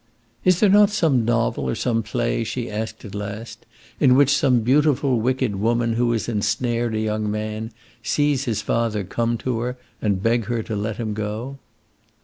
"Is there not some novel or some play," she asked at last, "in which some beautiful, wicked woman who has ensnared a young man sees his father come to her and beg her to let him go?"